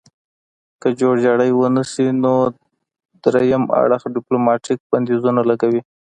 که جوړجاړی ونشي نو دریم اړخ ډیپلوماتیک بندیزونه لګوي